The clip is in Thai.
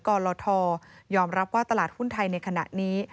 กรทยอมรับว่าตลาดหุ้นไทยในขณะนี้